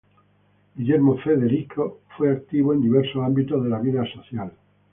Guillermo Federico fue activo en diversos ámbitos de la vida social.